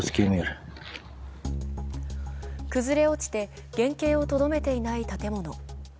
崩れ落ちて原形をとどめていない建物。